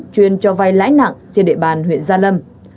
chuyên cho vai lãi nặng trên địa bàn huyện gia lâm